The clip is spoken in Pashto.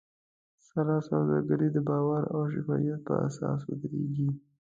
هره سوداګري د باور او شفافیت په اساس ودریږي.